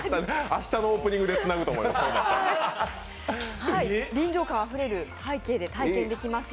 明日のオープニングでつなぐと思います。